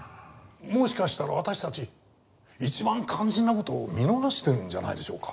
もしかしたら私たち一番肝心な事を見逃してるんじゃないでしょうか。